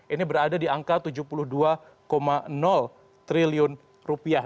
ini berada di angka tujuh puluh dua triliun rupiah